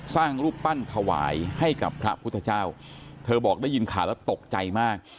สร้างรูปปั้นถวายให้กับพระพุทธเจ้าเธอบอกได้ยินข่าวแล้วตกใจมาก